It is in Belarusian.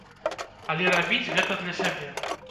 Але рабіць гэта для сябе.